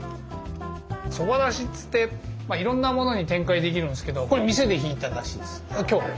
そばだしっつっていろんなものに展開できるんですけどこれ店でひいただしです今日。